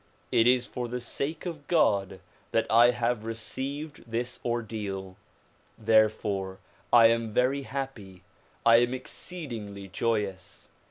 It is for the sake of God that I have received this ordeal. Therefore I am veiy happy ; I am exceedingly joyous.